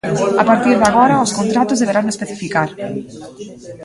A partir de agora, os contratos deberano especificar.